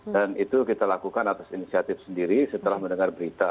dan itu kita lakukan atas inisiatif sendiri setelah mendengar berita